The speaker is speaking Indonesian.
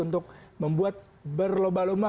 untuk membuat berlomba lomba